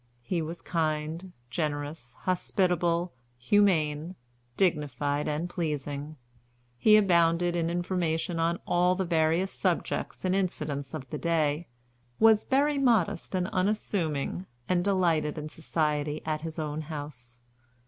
He was kind, generous, hospitable, humane, dignified, and pleasing. He abounded in information on all the various subjects and incidents of the day, was very modest and unassuming, and delighted in society at his own house.